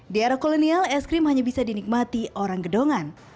di era kolonial es krim hanya bisa dinikmati orang gedongan